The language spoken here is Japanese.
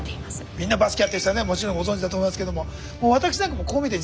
みんなバスケやってる人はねもちろんご存じだと思いますけれども私なんかもこう見えて実はですね